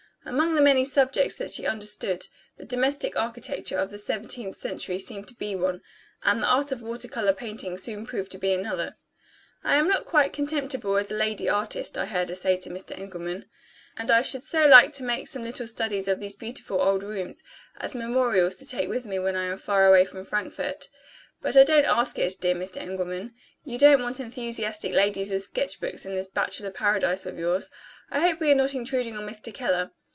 Among the many subjects that she understood, the domestic architecture of the seventeenth century seemed to be one, and the art of water color painting soon proved to be another. "I am not quite contemptible as a lady artist," I heard her say to Mr. Engelman; "and I should so like to make some little studies of these beautiful old rooms as memorials to take with me when I am far away from Frankfort. But I don't ask it, dear Mr. Engelman. You don't want enthusiastic ladies with sketch books in this bachelor paradise of yours. I hope we are not intruding on Mr. Keller.